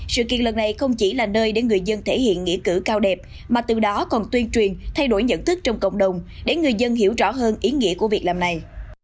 sự kiện lần này không chỉ là nơi để người dân thể hiện nghĩa cử cao đẹp mà từ đó còn tuyên truyền thay đổi nhận thức trong cộng đồng để người dân hiểu rõ hơn ý nghĩa của việc làm này